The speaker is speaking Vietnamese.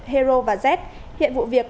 hero và z hiện vụ việc